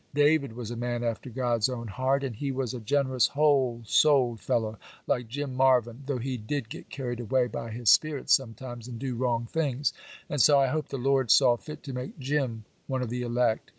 David was a man after God's own heart, and he was a generous, whole souled fellow, like Jim Marvyn, though he did get carried away by his spirits sometimes and do wrong things; and so I hope the Lord saw fit to make Jim one of the elect.